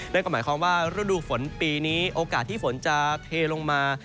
นั่นก็หมายความว่าฤดูฝนปีนี้โอกาสที่ฝนจะเทลงมา